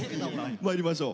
まいりましょう。